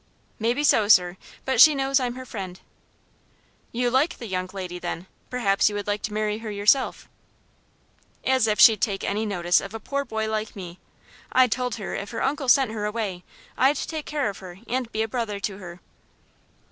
"Maybe so, sir; but she knows I'm her friend." "You like the young lady, then? Perhaps you would like to marry her yourself?" "As if she'd take any notice of a poor boy like me. I told her if her uncle sent her away, I'd take care of her and be a brother to her."